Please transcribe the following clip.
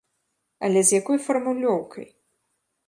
Але з якой фармулёўкай?